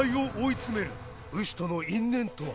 ウシとの因縁とは。